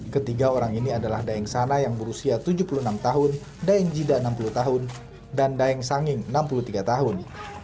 ketiga orang ini adalah dayeng sana yang berusia tujuh puluh enam tahun dayeng jida enam puluh tahun dan daeng sanging enam puluh tiga tahun